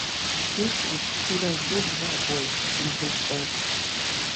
Іх тут у разы два больш, чым гульцоў!